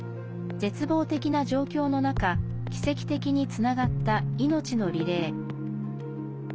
絶望的な状況の中奇跡的につながった命のリレー。